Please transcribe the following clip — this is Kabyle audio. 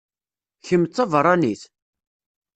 Kemm d tabeṛṛanit?